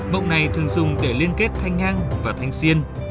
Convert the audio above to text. mộng này thường dùng để liên kết thanh ngang và thanh xiên